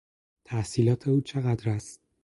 تحصیلات او چقدر است؟